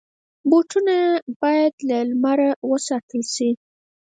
بوټونه باید له لمره وساتل شي.